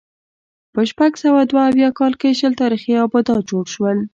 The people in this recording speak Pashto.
په شپږ سوه دوه اویا کال کې شل تاریخي آبدات جوړ شول